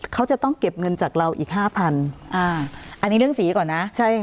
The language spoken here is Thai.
เขาจะต้องเก็บเงินจากเราอีกห้าพันอ่าอันนี้เรื่องสีก่อนนะใช่